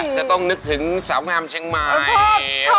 จะต้องนึกถึงสาวงามเชียงใหม่